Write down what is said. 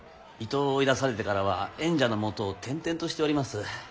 伊東を追い出されてからは縁者のもとを転々としております。